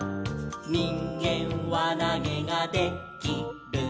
「にんげんわなげがで・き・る」